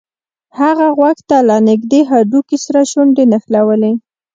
هغه غوږ ته له نږدې هډوکي سره شونډې نښلولې